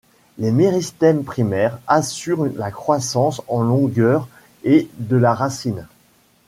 Les méristèmes primaires assurent la croissance en longueur et de la racine.